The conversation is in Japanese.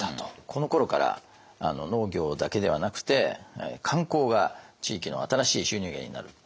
このころから農業だけではなくて観光が地域の新しい収入源になる。